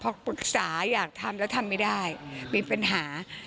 พอปรึกษาอยากทำแล้วทำไม่ได้มีปัญหา